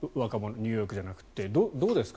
ニューヨークじゃなくてどうですか？